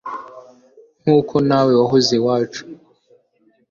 Nkukwo na we wahoze iwacu